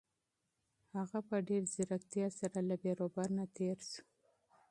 هغه په ډېر مهارت سره له بیروبار نه تېر شو.